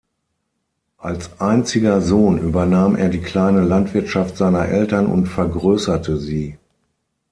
Als einziger Sohn übernahm er die kleine Landwirtschaft seiner Eltern und vergrößerte sie.